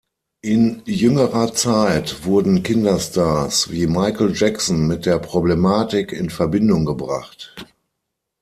In jüngerer Zeit wurden Kinderstars wie Michael Jackson mit der Problematik in Verbindung gebracht.